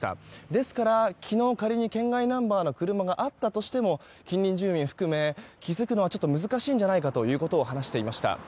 ですから、昨日仮に県外ナンバーの車があったとしても近隣住民含め、気づくのは難しいんじゃないかということを話していました。